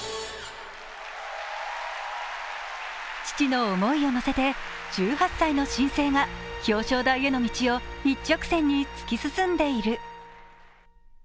父の思いを乗せて１８歳の新星が表彰台への道を一直線に突き進んでいる。